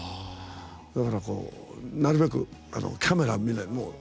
だから、なるべくキャメラを見ない。